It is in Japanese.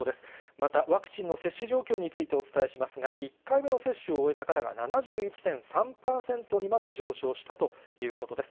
またワクチンの接種状況についてお伝えしますが、１回目の接種を終えた方が７１．３％にまで上昇したということです。